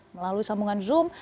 melalui sambungan zoom